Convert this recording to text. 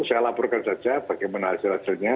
saya laporkan saja bagaimana hasil hasilnya